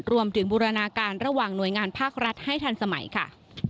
บูรณาการระหว่างหน่วยงานภาครัฐให้ทันสมัยค่ะ